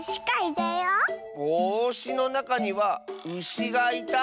「ぼうし」のなかには「うし」がいた。